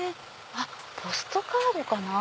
ポストカードかな？